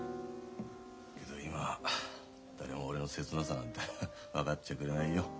けど今誰も俺の切なさなんて分かっちゃくれないよ。